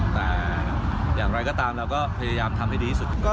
แต่อย่างไรก็ตามเราก็พยายามทำให้ดีที่สุด